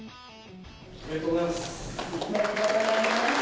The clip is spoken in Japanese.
おめでとうございます。